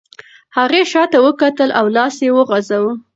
هغې شاته وکتل او لاس یې وخوځاوه.